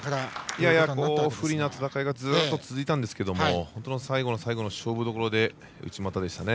やや不利な戦いがずっと続いたんですが最後の最後の勝負どころで内股でしたね。